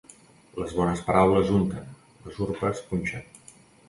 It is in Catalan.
Les bones paraules unten, les urpes punxen.